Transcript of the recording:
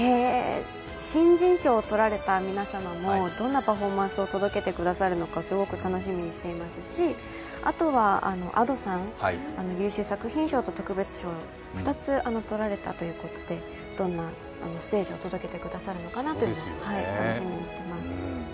新人賞を取られた皆様がどんなパフォーマンスを届けてくださるのかすごく楽しみにしていますしあとはＡｄｏさん、優秀作品賞と特別賞２つ取られたということで、どんなステージを届けてくれるのかなと、楽しみにしています。